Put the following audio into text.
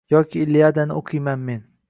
Yoki iliadani o’qiyman men.